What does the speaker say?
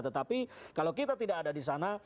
tetapi kalau kita tidak ada di sana